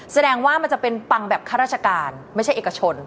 แสดงว่ามันจะเป็นปังแบบข้าราชการไม่ใช่เอกชน